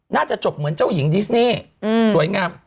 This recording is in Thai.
น่าจะจบเหมือนเจ้าหญิงดิสเน่สวยงาม